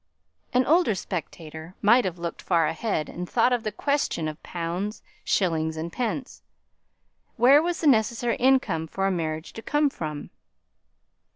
An older spectator might have looked far ahead, and thought of the question of pounds, shillings, and pence. Where was the necessary income for a marriage to come from?